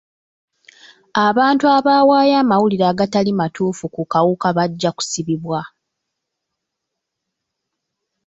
Abantu abawaayo amawulire agatali matuufu ku kawuka bajja kusibwa.